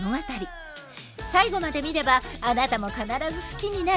最後まで見ればあなたも必ず好きになる！